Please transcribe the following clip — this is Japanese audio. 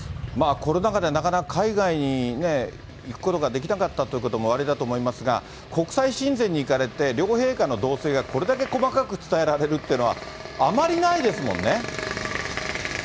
コロナ禍で、なかなか海外に行くことができなかったってこともおありだと思いますが、国際親善に行かれて、両陛下の動静がこれだけ細かく伝えられるというのは、あまりないですもんね。